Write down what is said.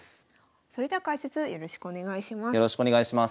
それでは解説よろしくお願いします。